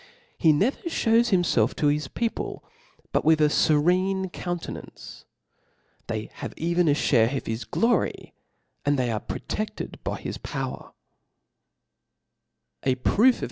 He, never (hews hiipfelf to his people but with a jerene countenance 5 they have eyen a Ihacpo^bis.glory^ ^Tid they. are prote£)^ed by his poyven A proof of.